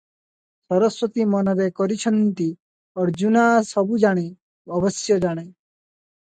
ସରସ୍ୱତୀ ମନରେ କରିଛନ୍ତି, ଅର୍ଜୁନା ସବୁ ଜାଣେ, ଅବଶ୍ୟ ଜାଣେ ।